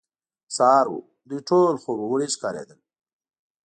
سهار وو، دوی ټول خوبوړي ښکارېدل.